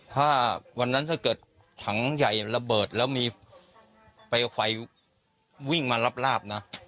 ถ้าวันนั้นถ้าเกิดถังใหญ่ระเบิดแล้วมีเปลวไฟวิ่งมาลาบนะ